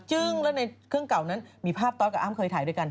จริงแล้วในเครื่องเก่านั้นมีภาพตอสกับอ้ำเคยถ่ายด้วยกัน